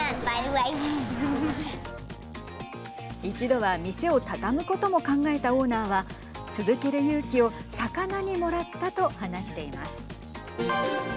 一度は店をたたむことも考えたオーナーは続ける勇気を魚にもらったと話しています。